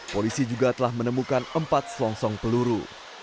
polisi juga telah menemukan empat selongsong peluru